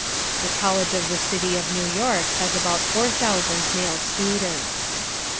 The College of the City of New York has about 4,000 male students.